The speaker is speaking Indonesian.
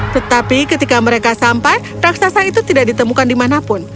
tetapi ketika mereka sampai raksasa itu tidak ditemukan dimanapun